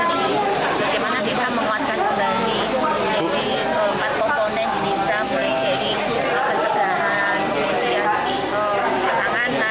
diberikan untuk melakukan sesuatu dan dari jelas selama